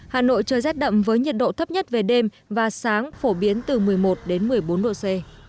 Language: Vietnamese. hà nội trời rét đậm với nhiệt độ thấp nhất về đêm và sáng phổ biến từ một mươi một đến một mươi bốn độ c